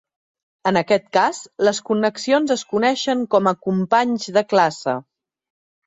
En aquest cas, les connexions es coneixen com a "companys de classe".